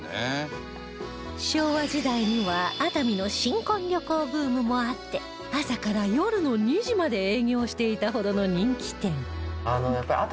昭和時代には熱海の新婚旅行ブームもあって朝から夜の２時まで営業していたほどの人気店